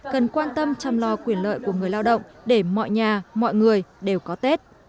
cần quan tâm chăm lo quyền lợi của người lao động để mọi nhà mọi người đều có tết